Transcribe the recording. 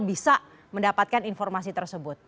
bisa mendapatkan informasi tersebut